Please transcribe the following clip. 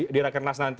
di rekernas nanti